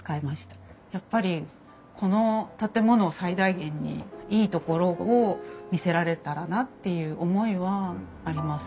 やっぱりこの建物を最大限にいいところを見せられたらなっていう思いはあります。